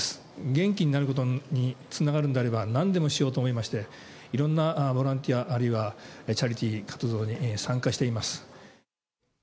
元気になることにつながるんであれば、なんでもしようと思いまして、いろんなボランティア、あるいはチャリティー活動に参加しています。